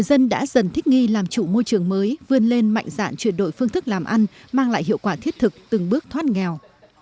dân đã dần thích nghi làm chủ môi trường mới vươn lên mạnh dạn chuyển đổi phương thức làm ăn mang lại hiệu quả thiết thực từng bước thoát nghèo